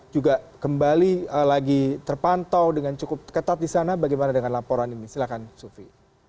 juga kembali lagi terpantau dengan cukup ketat di sana bagaimana dengan laporan ini silahkan sufi